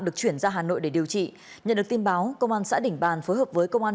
được chuyển ra hà nội để điều trị nhận được tin báo công an xã đỉnh bàn phối hợp với công an